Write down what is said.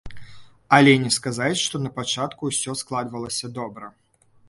Але не сказаць, што напачатку усё складвалася добра.